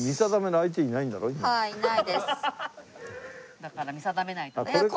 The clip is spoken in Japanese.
だから見定めないとね。